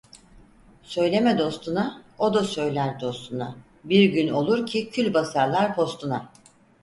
Söyleme dostuna, o da söyler dostuna. Bir gün olur kül basarlar postuna.